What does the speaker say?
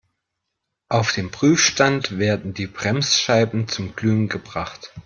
Auf dem Prüfstand werden die Bremsscheiben zum Glühen gebracht.